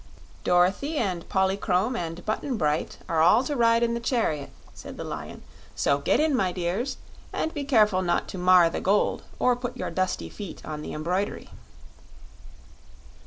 "Dorothy and Polychrome and Button Bright are all to ride in the chariot," said the Lion. "So get in, my dears, and be careful not to mar the gold or put your dusty feet on the embroidery."